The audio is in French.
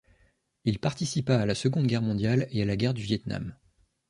Il participa à la Seconde Guerre mondiale et à la guerre du Viêt Nam.